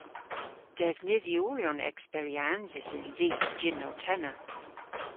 Devnydhyoryon eksperyansys yns i a jynnow-tenna.